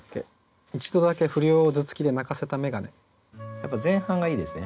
やっぱ前半がいいですね。